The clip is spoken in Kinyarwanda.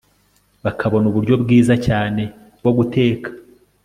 bakabona uburyo bwiza cyane bwo guteka